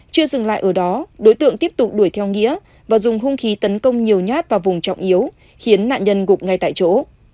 chưa dừng lại ở đó đối tượng tiếp tục đuổi theo nghĩa và dùng hung khí tấn công nhiều nhát vào vùng trọng yếu khiến nạn nhân gục ngay tại chỗ